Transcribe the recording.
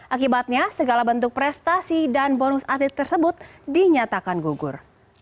akibatnya segala bentuk prestasi dan bonus atlet tersebut dinyatakan gugur